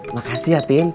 makasih ya ten